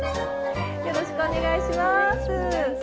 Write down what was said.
よろしくお願いします。